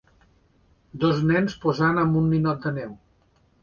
Dos nens posant amb un ninot de neu.